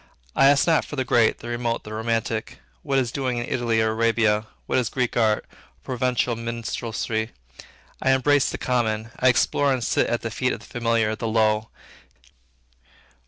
I ask not for the great, the remote, the romantic; what is doing in Italy or Arabia; what is Greek art, or Provencal minstrelsy; I embrace the common, I explore and sit at the feet of the familiar, the low.